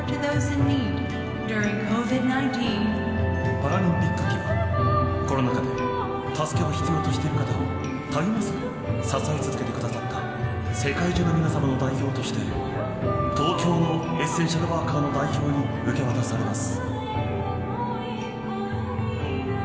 パラリンピック旗はコロナ禍で助けを必要としている方をたゆまず支えてくださった世界中の皆様の代表として東京のエッセンシャルワーカーの代表に受け渡されます。